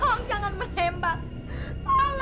tolong jangan menembak